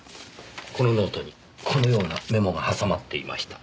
このノートにこのようなメモが挟まっていました。